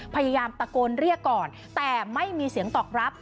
พยายามตะโกนเรียกก่อนแต่ไม่มีเสียงตอบรับ